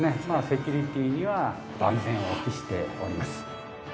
セキュリティーには万全を期しております。